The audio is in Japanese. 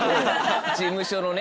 事務所のね。